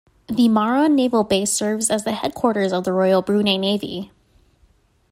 The Muara Naval Base serves as the headquarters of the Royal Brunei Navy.